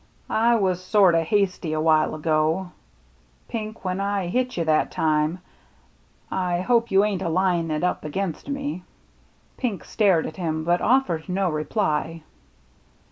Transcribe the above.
" I was sort o' hasty awhile ago. Pink, when I hit you that time. I hope you ain't a layin' it up against me." Pink stared at him, but oflFered no reply.